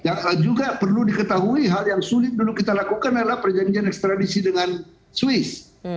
yang juga perlu diketahui hal yang sulit dulu kita lakukan adalah perjanjian ekstradisi dengan swiss